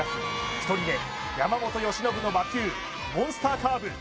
１人目山本由伸の魔球モンスターカーブ